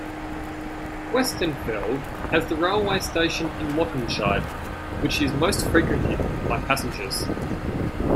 Westenfeld has the railway station in Wattenscheid which is most frequented by passengers.